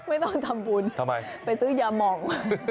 ไม่ต้องทำบุญไปซื้อยาหมอง